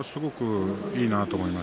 いいなと思ってます。